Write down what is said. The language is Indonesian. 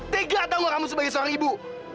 tega tau gak kamu sebagai seorang ibu